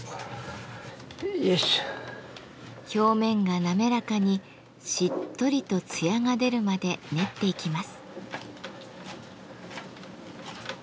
表面が滑らかにしっとりとつやが出るまで練っていきます。